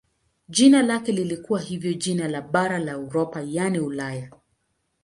Jina lake lilikuwa hivyo jina la bara la Europa yaani Ulaya.